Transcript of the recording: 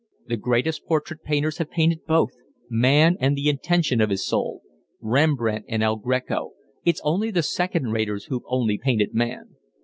The greatest portrait painters have painted both, man and the intention of his soul; Rembrandt and El Greco; it's only the second raters who've only painted man.